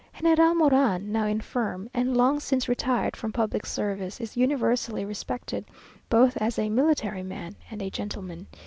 General Moran, now infirm, and long since retired from public service, is universally respected, both as a military man and a gentleman.